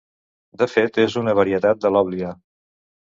De fet, és una varietat de l'oblia.